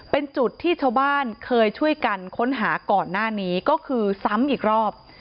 เป็นจุดที่ชาวบ้านเคยช่วยกันค้นหาก่อนหน้านี้ก็คือซ้ำอีกรอบ